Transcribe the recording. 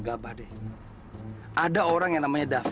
nah ini dosen pinter jelas